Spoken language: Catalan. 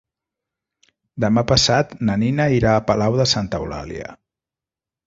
Demà passat na Nina irà a Palau de Santa Eulàlia.